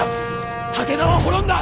武田は滅んだ。